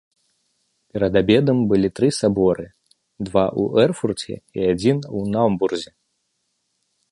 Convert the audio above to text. Перад абедам былі тры саборы — два ў Эрфурце і адзін у Наўмбурзе.